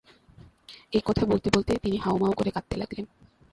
এই কথা বলতে-বলতে তিনি হাউমাউ করে কাঁদতে লাগলেন।